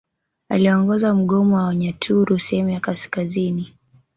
Aliongoza mgomo wa Wanyaturu sehemu ya kaskazini